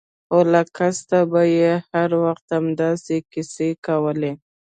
خو له کسته به يې هر وخت همداسې کيسې کولې.